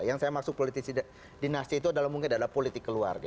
yang saya maksud politisi dinasti itu adalah mungkin adalah politik keluarga